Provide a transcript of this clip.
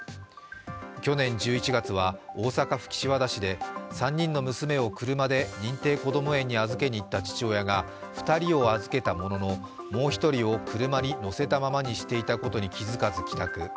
去年１１月は大阪府岸和田市で３人の娘を車で認定こども園に預けに行った父親が２人を預けたもののもう１人を車に乗せたままにしていたことに気付かず帰宅。